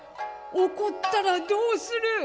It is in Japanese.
「怒ったらどうする」。